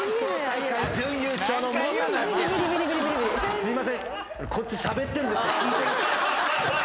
すいません。